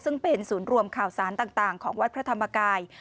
ซึ่งเป็นศูนย์รวมข่าวสารต่างของวัดพระธรรมกาย